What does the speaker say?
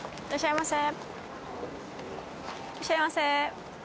いらっしゃいませ。